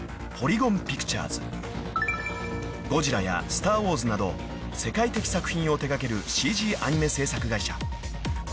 ［『ＧＯＤＺＩＬＬＡ』や『スター・ウォーズ』など世界的作品を手掛けるＣＧアニメ制作会社］